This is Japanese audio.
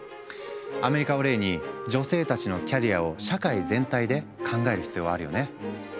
アメリカを例に女性たちのキャリアを社会全体で考える必要はあるよね。